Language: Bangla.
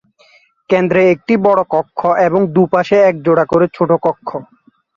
কেন্দ্রে একটি বড় কক্ষ এবং দুপাশে এক জোড়া করে ছোট কক্ষ।